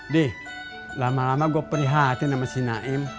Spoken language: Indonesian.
dih lama lama gua prihatin sama si naim